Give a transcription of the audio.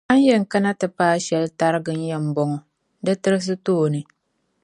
A ni yɛn kana ti paai shɛli tariga n-yɛn bɔŋɔ; di tirisi tooni.